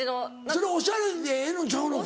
それおしゃれでええのんちゃうのか？